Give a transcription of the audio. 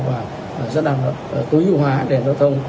và rất là tối ưu hóa đèn giao thông